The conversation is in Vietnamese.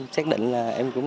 xác định là em cũng